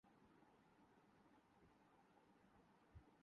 دیگر لیگی چہرے بھی بجھے بجھے تھے۔